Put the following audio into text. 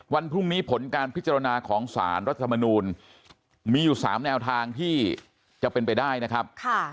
วันพรุ่งนี้ผลการพิจารณาของสารรัฐมนูลมีอยู่๓แนวทางที่จะเป็นไปได้นะครับ